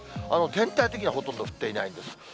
全体的にはほとんど降ってないです。